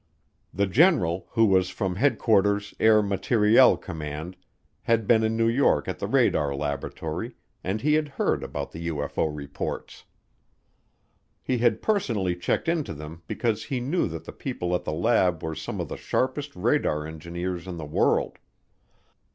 The general, who was from Headquarters, Air Materiel Command, had been in New York at the radar laboratory, and he had heard about the UFO reports. He had personally checked into them because he knew that the people at the lab were some of the sharpest radar engineers in the world.